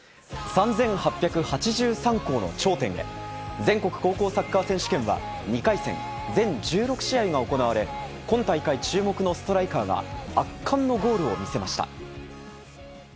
全国高校サッカー選手権は、２回戦全１６試合が行われ、今大会注目のストライカーが、圧巻のゴールを見せました。